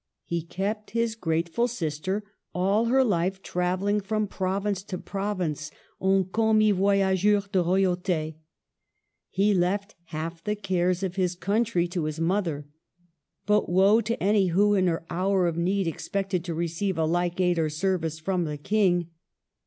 He kept his grateful sister all her life travelling from province to province en coinmis voyageiir de royaute. He left half the cares of his country to his mother. But woe to any who, in her hour of need, ex pected to receive a like aid or service from the King.